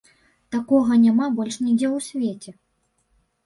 Такога няма больш нідзе ў свеце!